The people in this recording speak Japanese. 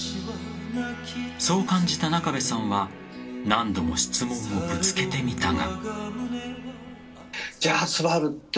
そう感じた中部さんは何度も質問をぶつけてみたが。